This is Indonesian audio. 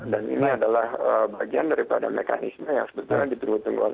dan ini adalah bagian daripada mekanisme yang sebenarnya diperlukan oleh rakyat